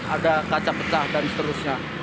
ada kaca pecah dan seterusnya